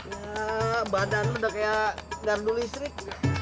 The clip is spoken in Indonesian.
ya badan lu udah kaya gardu listrik